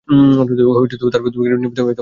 আজ বুধবার নিয়মিত সভায় কমিশন এ সিদ্ধান্ত নেয়।